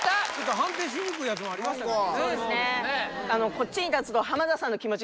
判定しにくいやつもありましたけどねいいのかな？